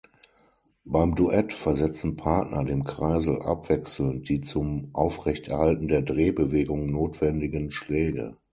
Beim „Duett“ versetzen Partner dem Kreisel abwechselnd die zum Aufrechterhalten der Drehbewegung notwendigen Schläge.